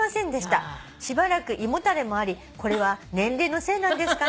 「しばらく胃もたれもありこれは年齢のせいなんですかね」